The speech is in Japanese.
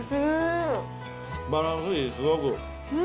バランスいい、すごく。